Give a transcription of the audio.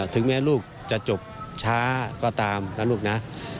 ถึงแม้ลูกจะจบช้าก็ตามนะลูกนะ